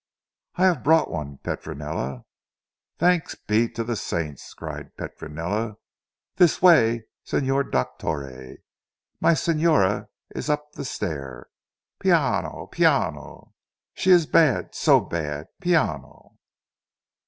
"I have brought one, Petronella." "Thanks be to the saints!" cried Petronella. "This way Signor Dottore. My signora is up the stair. Piano! Piano. She is bad so bad. Piano!"